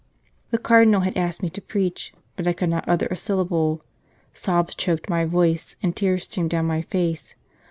The Cardinal had asked me to preach, but I could not utter a syllable ; sobs choked my voice, and tears streamed down my face.